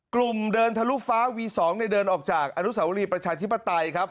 เดินทะลุฟ้าวี๒เดินออกจากอนุสาวรีประชาธิปไตยครับ